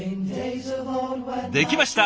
できました。